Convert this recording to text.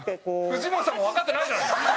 藤本さんもわかってないじゃないですか！